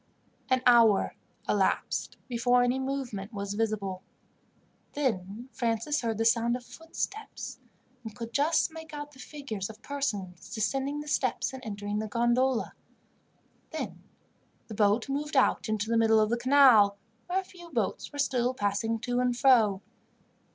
An hour elapsed before any movement was visible. Then Francis heard the sound of footsteps, and could just make out the figures of persons descending the steps and entering the gondola. Then the boat moved out into the middle of the canal, where a few boats were still passing to and fro.